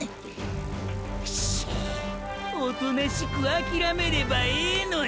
フシュおとなしくあきらめればええのに。